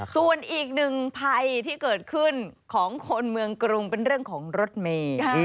ส่วนอีกหนึ่งภัยที่เกิดขึ้นของคนเมืองกรุงเป็นเรื่องของรถเมย์